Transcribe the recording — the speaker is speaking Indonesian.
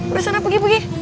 udah sana pergi pergi